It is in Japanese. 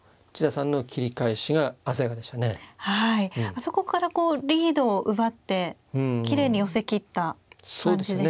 あそこからリードを奪ってきれいに寄せ切った感じですよね。